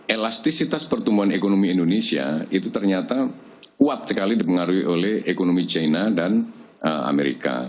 elastisitas pertumbuhan ekonomi indonesia itu ternyata kuat sekali dipengaruhi oleh ekonomi china dan amerika